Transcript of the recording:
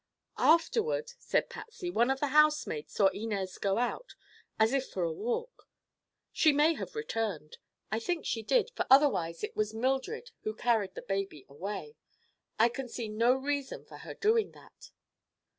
"Afterward," said Patsy, "one of the housemaids saw Inez go out—as if for a walk. She may have returned. I think she did, for otherwise it was Mildred who carried the baby away. I can see no reason for her doing that."